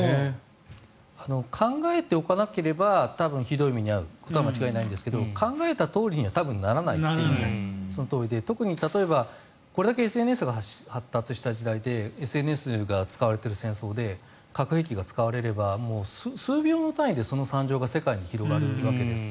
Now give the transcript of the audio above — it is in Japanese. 考えておかなければ多分ひどい目に遭うのは間違いないんですが考えたとおりには多分ならないというのはそのとおりで特に、例えばこれだけＳＮＳが発達した時代でＳＮＳが使われている戦争で核兵器が使われれば数秒の単位でその惨状が世界に広がるわけです。